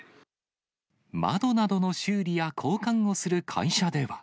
窓などの修理や交換をする会社では。